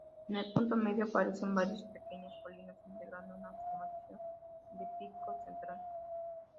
En el punto medio aparecen varias pequeñas colinas, integrando una formación de pico central.